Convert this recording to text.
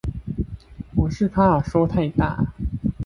我是怕說太大